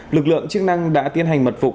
lực lượng chức năng đã tiến hành mật phục